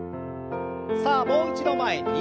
さあもう一度前に。